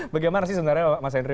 bagaimana sih sebenarnya mas henry